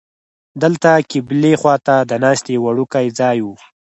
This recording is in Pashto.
دلته قبلې خوا ته د ناستې یو وړوکی ځای و.